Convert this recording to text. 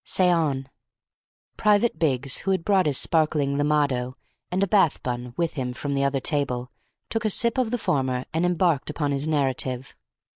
"Say on." Private Biggs, who had brought his sparkling limado and a bath bun with him from the other table, took a sip of the former, and embarked upon his narrative.